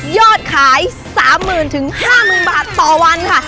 ยอดขาย๓๐๐๐๕๐๐๐บาทต่อวันค่ะ